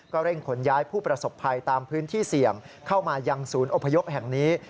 เร่งขนย้ายผู้ประสบภัยตามพื้นที่เสี่ยงเข้ามายังศูนย์อพยพแห่งนี้